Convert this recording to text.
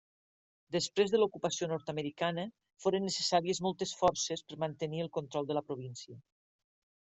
Després de l'ocupació nord-americana foren necessàries moltes forces per mantenir el control de la província.